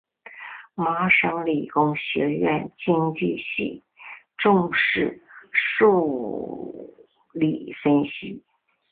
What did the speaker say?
麻省理工学院经济系重视数理分析。